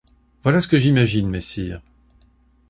Voilà ce que j’imagine, messire.